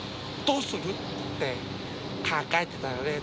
どうする？って考えてたよね